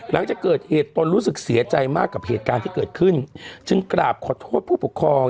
หลังจากเกิดเหตุตนรู้สึกเสียใจมากกับเหตุการณ์ที่เกิดขึ้นจึงกราบขอโทษผู้ปกครอง